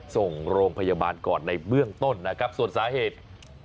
ส่งโรงพยาบาลก่อนในเบื้องต้นนะครับส่วนสาเหตุ